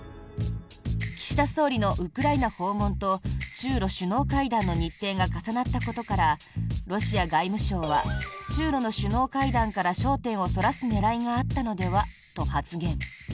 岸田総理のウクライナ訪問と中ロ首脳会談の日程が重なったことからロシア外務省は中ロの首脳会談から焦点をそらす狙いがあったのではと発言。